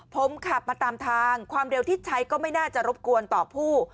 ผมขับมาตามทางความเร็วที่ใช้ก็ไม่น่าจะรบกวนต่อผู้